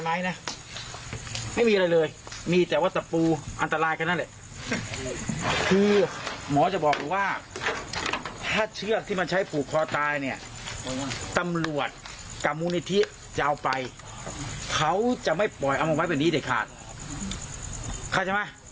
หมอปลาก็เลยตั้งข้อสังเกตเอาไว้แบบนี้ค่ะ